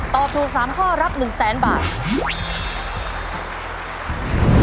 ตอบถูก๓ข้อรับ๑แสนบาท